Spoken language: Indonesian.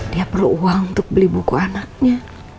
dia perlu uang untuk beli buku anaknya